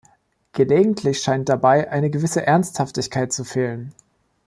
Gelegentlich scheint dabei eine gewisse Ernsthaftigkeit zu fehlen.